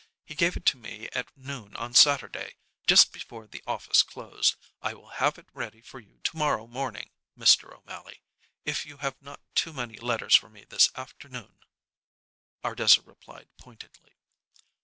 He gave it to me at noon on Saturday, just before the office closed. I will have it ready for you to morrow morning, Mr. O'Mally, if you have not too many letters for me this afternoon," Ardessa replied pointedly.